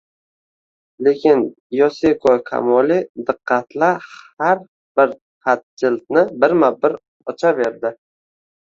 Lekin Yosiko kamoli diqqat-la har bir xatjildni birma-bir ochaverdi